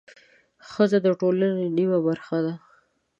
ښځه د ټولنې نیمه برخه ده